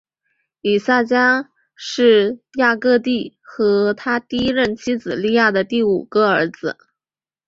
以萨迦是雅各和他第一任妻子利亚的第五个儿子。